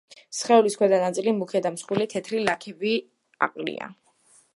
სხეულის ქვედა ნაწილი მუქია და მსხვილი თეთრი ლაქები აყრია.